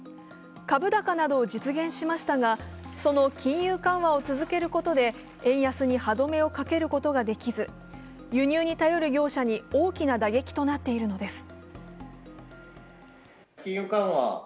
株高などを実現しましたがその金融緩和を続けることで円安に歯止めをかけることができず、輸入に頼る業者に大きな打撃となっているのです。